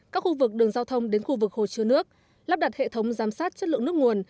các khu vực đường giao thông đến khu vực hồ chứa nước lắp đặt hệ thống giám sát chất lượng nước nguồn